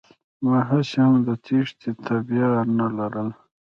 ما هسې هم د تېښتې تابيا نه لرله.